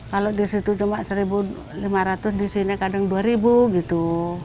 kalau di situ cuma rp satu lima ratus di sini kadang rp dua gitu